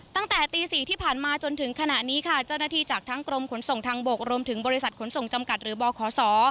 ตั้งแต่ตี๔ที่ผ่านมาจนถึงขณะนี้ค่ะเจ้าหน้าที่จากทั้งกรมขนส่งทางบกรวมถึงบริษัทขนส่งจำกัดหรือบขศ